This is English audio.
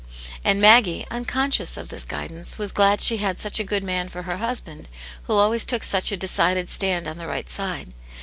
And Maggie, unconscious of this guidance, was glad she had such a good man for her husband, who always took such a decided stand on the right side